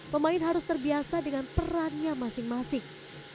pemain harus terbiasa dengan perannya masing masing